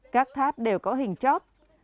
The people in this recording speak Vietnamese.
các tháp đều có hình chóp